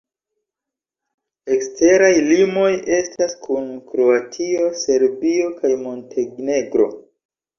Eksteraj limoj estas kun Kroatio, Serbio kaj Montenegro.